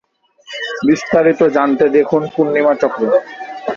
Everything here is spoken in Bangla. বিস্তারিত জানতে দেখুন পূর্ণিমা চক্র।